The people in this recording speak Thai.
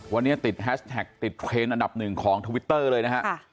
วันนี้ติดแฮชแท็กติดเทรนด์อันดับหนึ่งของทวิตเตอร์เลยนะฮะ